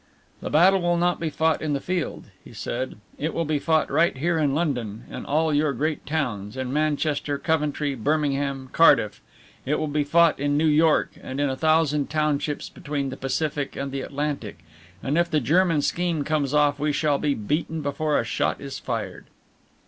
"The battle will not be fought in the field," he said, "it will be fought right here in London, in all your great towns, in Manchester, Coventry, Birmingham, Cardiff. It will be fought in New York and in a thousand townships between the Pacific and the Atlantic, and if the German scheme comes off we shall be beaten before a shot is fired."